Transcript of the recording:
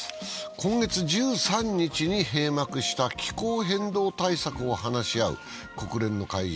今月１３日に閉幕した気候変動対策を話し合う国連の会議